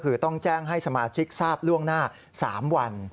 คือต้องแจ้งให้สมาชิกทราบล่วงหน้า๓วัน